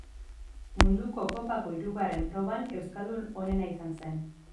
Munduko kopako hirugarren proban euskaldun onena izan zen.